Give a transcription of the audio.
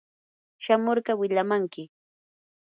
shamurqa wilamanki.